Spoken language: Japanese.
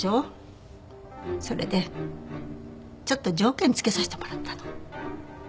それでちょっと条件付けさせてもらったの。